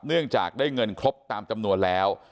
เนื่องจากได้เงินครบตามจำนวนแล้ว